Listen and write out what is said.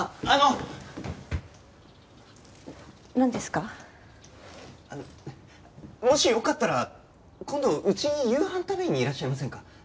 あのもしよかったら今度うちに夕飯食べにいらっしゃいませんか？